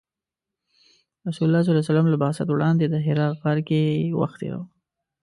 رسول الله ﷺ له بعثت وړاندې د حرا غار کې وخت تیراوه .